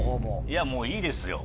いやもういいですよ。